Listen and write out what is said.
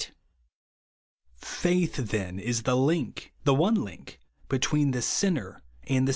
Faith then is the hnk, the one link, be tween the sinner and the Sinbearer.